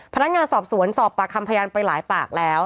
พนักงานสอบสวนสอบปากคำพยานไปหลายปากแล้ว